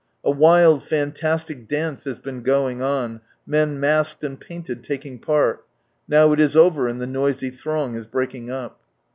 A wild fantastic dance has been going on, men masked and painted taking part Now it is over, and the noisy throng Is breaking up.